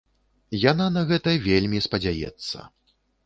Яна на гэта вельмі спадзяецца.